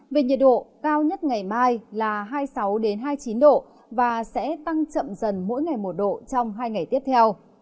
về nhiệt độ cao nhất ngày mai là hai mươi sáu hai mươi chín độ và sẽ tăng chậm dần mỗi ngày một độ trong hai ngày tiếp theo